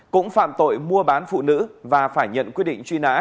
cũng phạm tội mua bán phụ nữ và phải nhận quyết định truy nã